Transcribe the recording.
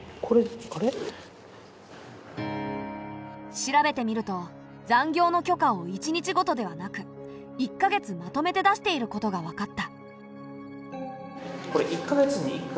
調べてみると残業の許可を１日ごとではなく１か月まとめて出していることがわかった。